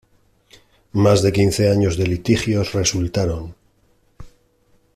Más de quince años de litigios resultaron.